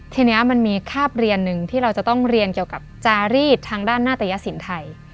ทีนี้มันมีคาบเรียนหนึ่งที่เราจะต้องเรียนเกี่ยวกับจารีดทางด้านหน้าตยสินไทย